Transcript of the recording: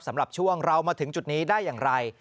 สำหรับช่วงเรามาถึงจุดนี้ได้อย่างไร